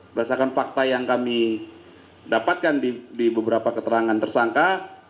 berdasarkan fakta yang kami dapatkan di beberapa keterangan tersangka